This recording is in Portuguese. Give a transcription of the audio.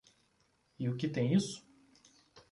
E o que tem isso?